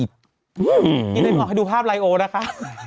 อีกนั้นออกให้ดูภาพไลโอนะคะ